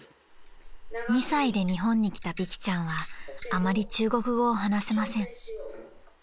［２歳で日本に来た美熹ちゃんはあまり中国語を話せません］